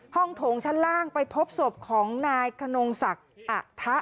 โถงชั้นล่างไปพบศพของนายขนงศักดิ์อะทะ